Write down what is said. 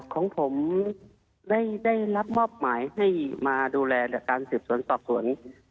ของผมได้รับมอบหมายให้มาดูแลการสืบสวนสอบสวน